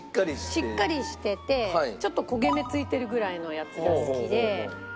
しっかりしててちょっと焦げ目ついてるぐらいのやつが好きで。